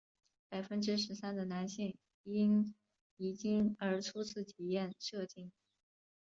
百分之十三的男性因遗精而初次体验射精。